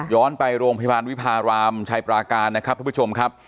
ไปโรงพยาบาลวิพารามชัยปราการนะครับทุกผู้ชมครับ